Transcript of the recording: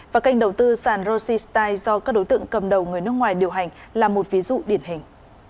và kênh đầu tư sàn rossi style do các đối tượng cầm đầu người nước ngoài điều hành là một ví dụ điển hình